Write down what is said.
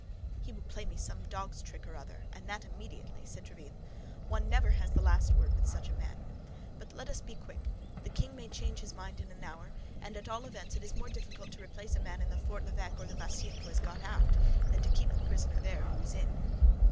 "He will play me some dog's trick or other, and that immediately," said Tréville. "One has never the last word with such a man. But let us be quick—the king may change his mind in an hour; and at all events it is more difficult to replace a man in the Fort l'Evêque or the Bastille who has got out, than to keep a prisoner there who is in."